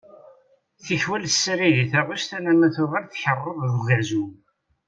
Tikwal tessalay di taɣect alamma tuɣal tkeṛṛeḍ deg ugerjum.